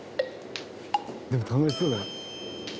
「でも楽しそうだ」